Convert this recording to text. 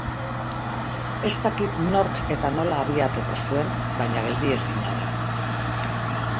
Ez dakit nork eta nola abiatuko zuen baina geldiezina da.